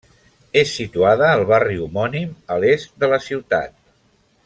És situada al barri homònim, a l'est de la ciutat.